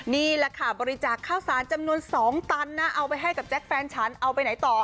นี่แหละค่ะบริจาคข้าวสารจำนวน๒ตันนะเอาไปให้กับแจ๊คแฟนฉันเอาไปไหนต่อ